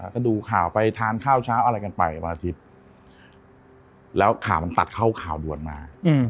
ก็ดูข่าวไปทานข้าวเช้าอะไรกันไปวันอาทิตย์แล้วข่าวมันตัดเข้าข่าวด่วนมา